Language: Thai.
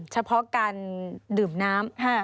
เฉพาะการดื่มน้ำ